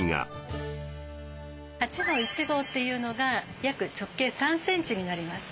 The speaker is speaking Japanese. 鉢の１号というのが約直径３ｃｍになります。